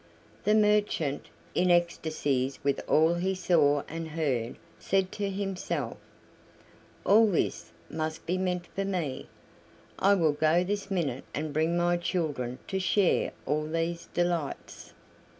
The merchant, in ecstacies with all he saw and heard, said to himself: "All this must be meant for me. I will go this minute and bring my children to share all these delights."